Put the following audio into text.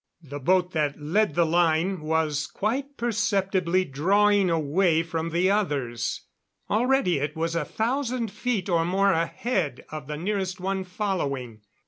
The boat that led the line was quite perceptibly drawing away from the others. Already it was a thousand feet or more ahead of the nearest one following.